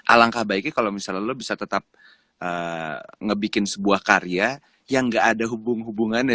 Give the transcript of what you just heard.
alangkah baiknya kalau misalnya bisa tetap ngebikin sebuah karya yang enggak ada hubungan hubungan ya